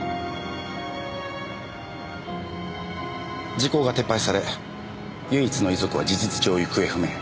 時効が撤廃され唯一の遺族は事実上行方不明。